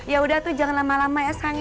ya udah tuh jangan lama lama ya sayang ya